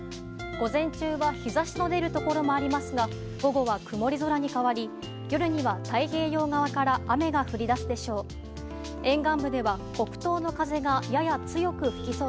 午前中は日差しの出るところもありますが午後は曇り空に変わり夜には太平洋側から雨が降り出すでしょう。